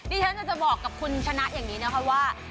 ดิฉันจะบอกกับคุณชนะอย่างนี้นะคะว่า